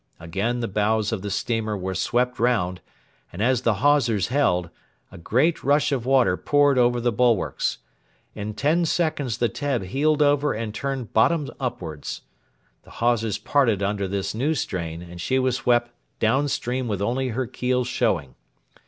Again the bows of the steamer were swept round, and, as the hawsers held, a great rush of water poured over the bulwarks. In ten seconds the Teb heeled over and turned bottom upwards. The hawsers parted under this new strain, and she was swept down stream with only her keel showing.